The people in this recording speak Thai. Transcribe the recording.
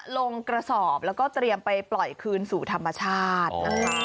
ลงกระสอบแล้วก็เตรียมไปปล่อยคืนสู่ธรรมชาตินะคะ